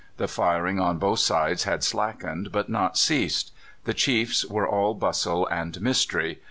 The firing on both sides had slackened, but not ceased. The chiefs were all bustle and mystery.